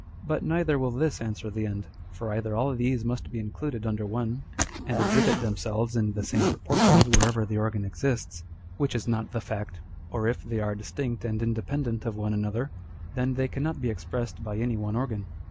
But neither will this answer the end. For either all these must be included under one, and exhibit themselves in the same proportions wherever the organ exists, which is not the fact ; or if they are distinct and independent of one another, then they cannot be expressed by any one organ.